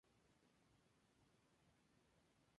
Su primer cargo eclesiástico fue como arcediano de Briviesca.